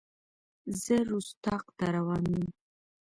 زه رُستاق ته روان یم.